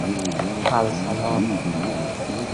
اَرسلان